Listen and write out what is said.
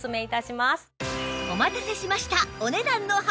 お待たせしました！